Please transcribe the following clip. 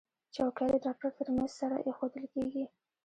چوکۍ د ډاکټر تر میز سره ایښودل کېږي.